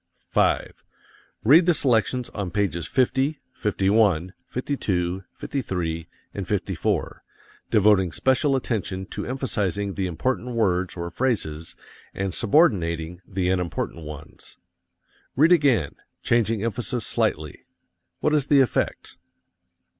5. Read the selections on pages 50, 51, 52, 53 and 54, devoting special attention to emphasizing the important words or phrases and subordinating the unimportant ones. Read again, changing emphasis slightly. What is the effect?